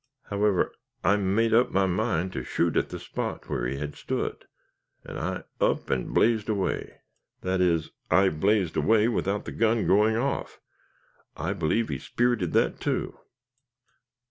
However, I made up my mind to shoot at the spot where he had stood, and I up and blazed away. That is, I blazed away without the gun going off. I believe he spirited that too."